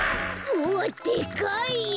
うわっでかい！